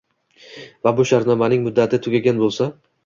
va bu shartnomaning muddati tugagan bo‘lsa